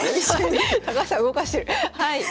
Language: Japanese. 高橋さん動かしてる。